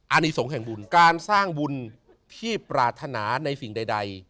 อันนี้สงฆ์แห่งบุญการสร้างบุญที่ปรารถนาในสิ่งใด